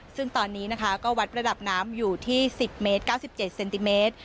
ซึ่งตอนนี้นะคะก็วัดระดับน้ำอยู่ที่๑๐เมตร๙๗เซนติเมตร